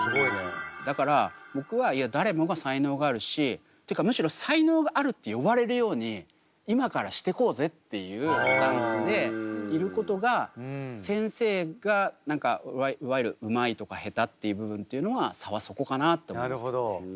だから僕はいや誰もが才能があるしってかむしろ才能があるって言われるように今からしてこうぜっていうスタンスでいることが先生が何かいわゆるうまいとかへたっていう部分というのは差はそこかなって思いますけどね。